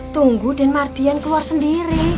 tunggu dan mardian keluar sendiri